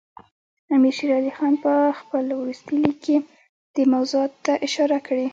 امیر شېر علي خان په خپل وروستي لیک کې دې موضوعاتو ته اشاره کړې.